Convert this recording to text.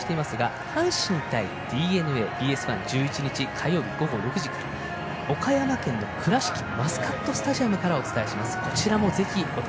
阪神対ＤｅＮＡＢＳ１、１１日火曜午後６時から岡山県の倉敷マスカットスタジアムからお伝えします。